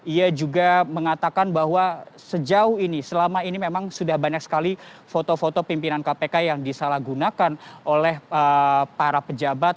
ia juga mengatakan bahwa sejauh ini selama ini memang sudah banyak sekali foto foto pimpinan kpk yang disalahgunakan oleh para pejabat